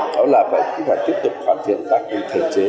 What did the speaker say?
đó là phải tiếp tục hoàn thiện các kinh tế chế